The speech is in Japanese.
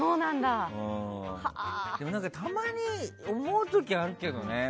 でも、たまに思う時があるけどね。